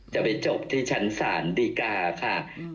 จะไปจบที่ชั้นศาลดีกาค่ะ